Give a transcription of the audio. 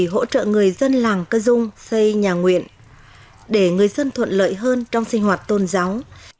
hỗ trợ người dân làng cơ dung xây nhà nguyện để người dân thuận lợi hơn trong sinh hoạt tôn giáo